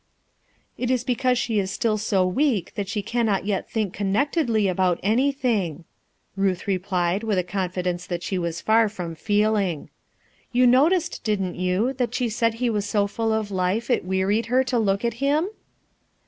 "It is because she is still so weak that she cannot yet think connectedly about anything/' Ruth replied with a confidence that she was far from feeling. "You noticed, didn't you, that she said he was so full of life it wearied her to look at him?"